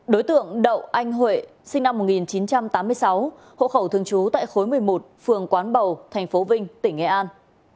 đối tượng đậu anh huệ sinh năm một nghìn chín trăm tám mươi sáu hộ khẩu thường trú tại khối một mươi một phường quán bầu tp vinh tỉnh nghệ an